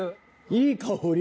いい香り。